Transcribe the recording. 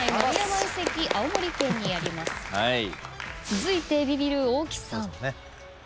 続いてビビる大木さん。